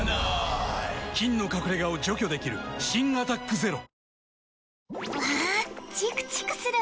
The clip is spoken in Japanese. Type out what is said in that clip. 菌の隠れ家を除去できる新「アタックＺＥＲＯ」わチクチクする！